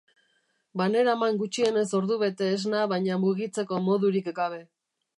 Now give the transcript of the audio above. Baneraman gutxienez ordubete esna baina mugitzeko modurik gabe.